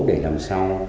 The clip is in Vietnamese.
để làm sao